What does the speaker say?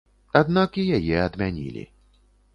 Аднак і яе адмянілі.